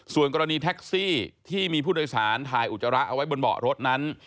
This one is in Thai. ส่วนกรณีแท็กซี่ที่มีผู้โดยสารถ่ายอุจจาระเอาไว้บนเบาะรถนั้น